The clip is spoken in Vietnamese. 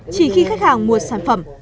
chỉ khi khách hàng mua sản phẩm